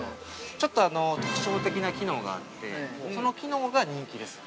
ちょっと特徴的な機能があって、その機能が人気です。